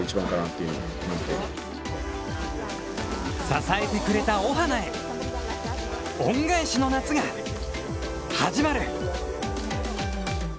支えてくれたオハナへ、恩返しの夏が始まる。